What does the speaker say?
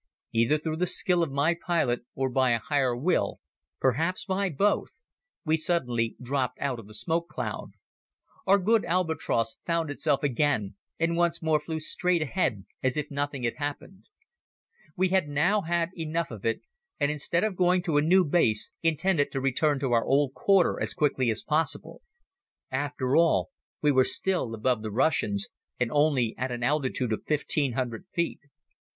Either through the skill of my pilot or by a Higher Will, perhaps by both, we suddenly dropped out of the smoke cloud. Our good Albatros found itself again and once more flew straight ahead as if nothing had happened. We had now had enough of it and instead of going to a new base intended to return to our old quarter as quickly as possible. After all, we were still above the Russians and only at an altitude of 1500 feet.